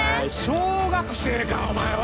小学生かお前は！